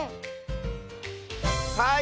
はい！